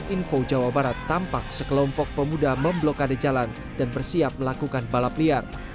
info jawa barat tampak sekelompok pemuda memblokade jalan dan bersiap melakukan balap liar